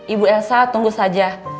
ibu elsa tunggu saja